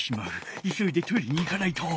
いそいでトイレに行かないと！